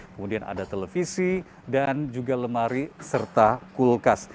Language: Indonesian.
kemudian ada televisi dan juga lemari serta kulkas